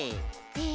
え？